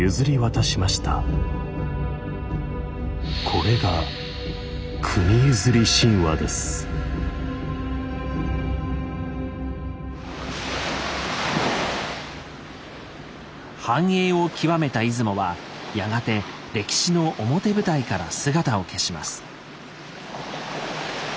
これが繁栄を極めた出雲はやがて歴史の表舞台から姿を消します。